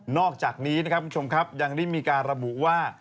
อกจากนี้นะครับคุณผู้ชมครับยังได้มีการระบุว่า